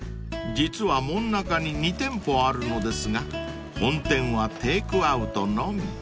実は門仲に２店舗あるのですが本店はテークアウトのみ］